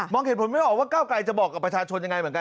มองเหตุผลไม่ออกว่าก้าวไกลจะบอกกับประชาชนอย่างไร